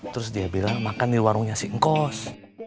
terus dia bilang makan di warungnya si engkos